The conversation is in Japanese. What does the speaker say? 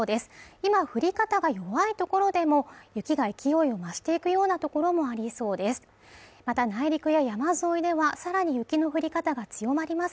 今、降り方が弱い所でも雪が勢いを増していくようなところもありそうです